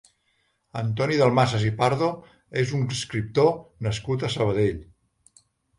Antoni Dalmases i Pardo és un escriptor nascut a Sabadell.